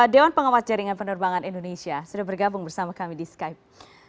dewan pengawas jaringan penerbangan indonesia sudah bergabung bersama kami di skype